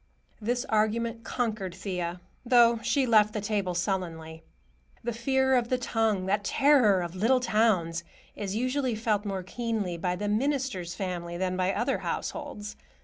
This argument conquered Thea, though she left the table sullenly. The fear of the tongue, that terror of little towns, is usually felt more keenly by the minister's family than by other households.